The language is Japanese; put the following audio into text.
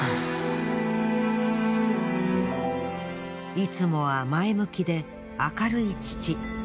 いつもは前向きで明るい父。